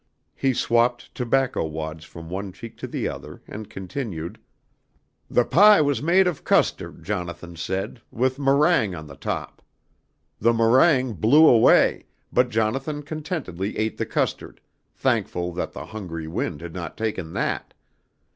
He swapped tobacco wads from one cheek to the other and continued: "The pie was made of custard, Jonathan said, with meringue on the top. The meringue blew away, but Jonathan contentedly ate the custard, thankful that the hungry wind had not taken that.